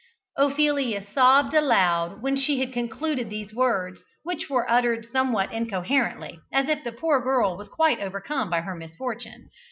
Ophelia sobbed aloud when she had concluded these words, which were uttered somewhat incoherently, as if the poor girl was quite overcome by her misfortune.